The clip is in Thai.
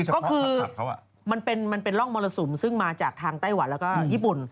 ก็คือมันเป็นร่องมรสุมซึ่งมาจากทางไต้หวันแล้วก็ญี่ปุ่น